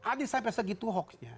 ada sampai segitu hoaxnya